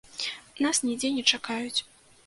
Нас нідзе не чакаюць.